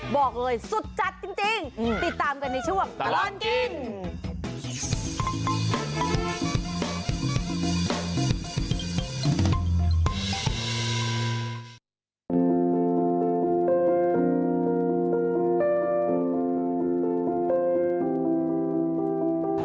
บอกเลยสุดจัดจริงติดตามกันในช่วงตลอดกิน